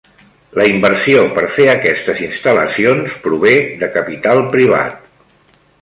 La inversió per fer aquestes instal·lacions prové de capital privat.